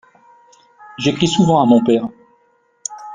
J'écris souvent à mon père.